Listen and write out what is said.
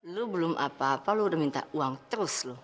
lu belum apa apa lo udah minta uang terus lo